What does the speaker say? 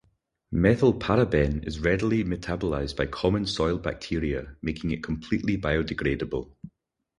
Methylparaben is readily metabolized by common soil bacteria, making it completely biodegradable.